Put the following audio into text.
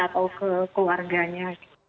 atau ke keluarganya